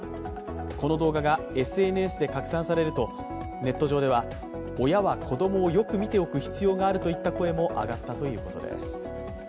この動画がＳＮＳで拡散されるとネット上では親は子供をよく見ておく必要があるといった声も上がったということです。